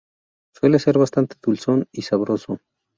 Suele ser bastante dulzón y sabroso.